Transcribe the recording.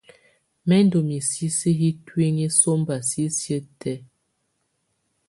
Mɛ ndù misisi yi ntuinyii sɔmba sisiǝ́ tɛ̀á.